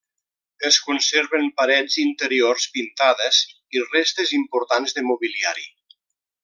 Es conserven parets interiors pintades i restes importants de mobiliari.